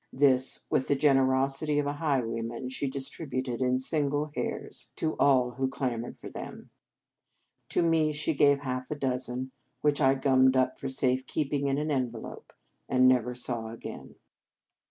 This, with the generos ity of a highwayman, she distributed, in single hairs, to all who clamoured for them. To me she gave half a dozen, which I gummed up for safe keeping in an envelope, and never saw again.